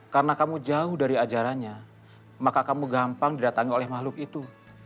karena kamu jauh dari ajarannya maka kamu gampang didatangi oleh makhluk itu